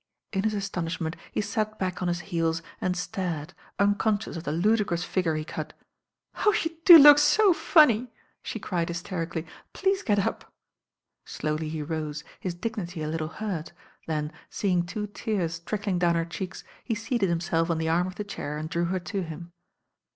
In his astonishment he sat back on his heels and starf d, unconscious of the ludicrous figure he cut. "Oh, you do look so funny," she cried hysterically. ^'Please get up." Slowly he rose, his dignity a little hurt, then see ing two tears' trickling down her cheeks, he ieated himself on the arm of the chair and drew her to him.